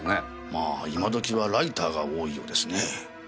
まあ今時はライターが多いようですね。